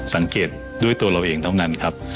สังเกตด้วยตัวเราเองเท่านั้นครับ